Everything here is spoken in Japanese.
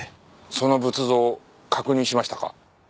その仏像確認しましたか？